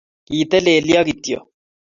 Kitelelyo kityo